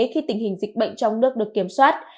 khi tình hình dịch bệnh trong nước được kiểm soát